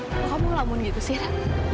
kok kamu lamun gitu zahira